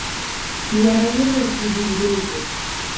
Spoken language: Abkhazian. Иара ирласны дындәылҵит.